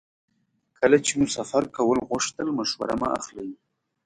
کله چې مو سفر کول غوښتل مشوره مه اخلئ.